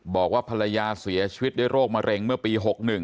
บอกว่าภรรยาเสียชีวิตด้วยโรคมะเร็งเมื่อปี๖๑